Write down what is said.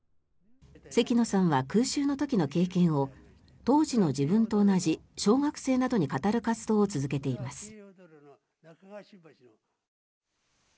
関野さんは空襲の時の経験を当時の自分と同じ小学生などに語る活動を続けています。